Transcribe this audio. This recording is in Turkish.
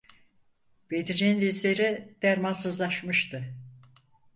Bedri'nin dizleri dermansızlaşmıştı.